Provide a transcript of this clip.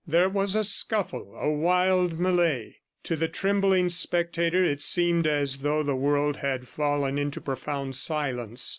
There was a scuffle, a wild melee. To the trembling spectator, it seemed as though the world had fallen into profound silence.